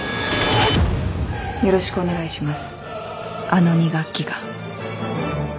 よろしくお願いします。